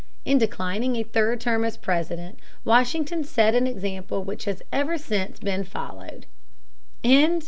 In declining a third term as President, Washington set an example which has ever since been followed.